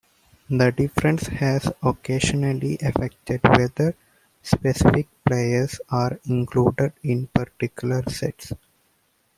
The difference has occasionally affected whether specific players are included in particular sets.